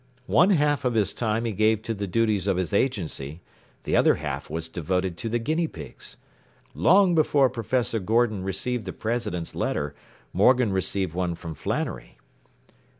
One half of his time he gave to the duties of his agency; the other half was devoted to the guinea pigs. Long before Professor Gordon received the president's letter Morgan received one from Flannery.